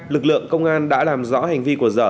lực lượng công an đã làm rõ hành vi của dở